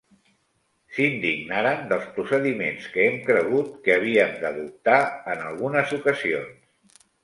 S'indignaran dels procediments que hem cregut que havíem d'adoptar en algunes ocasions.